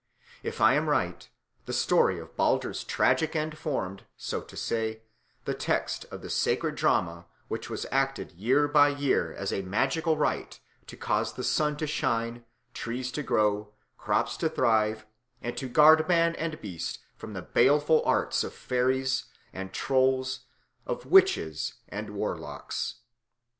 If I am right, the story of Balder's tragic end formed, so to say, the text of the sacred drama which was acted year by year as a magical rite to cause the sun to shine, trees to grow, crops to thrive, and to guard man and beast from the baleful arts of fairies and trolls, of witches and warlocks.